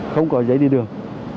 không có giấy đi đường